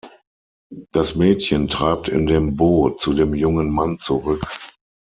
Das Mädchen treibt in dem Boot zu dem jungen Mann zurück.